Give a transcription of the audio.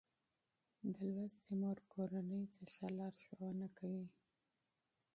د زده کړې مور کورنۍ ته ښه لارښوونه کوي.